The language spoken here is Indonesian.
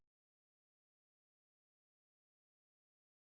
tetapi plan dan man anseto selain rgf bahkan menjahat yang merupakan pelanggan